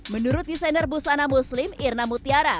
menurut desainer busana muslim irna mutiara